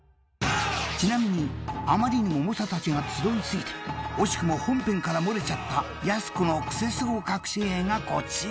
［ちなみにあまりにも猛者たちが集いすぎて惜しくも本編から漏れちゃったやす子のクセスゴかくし芸がこちら］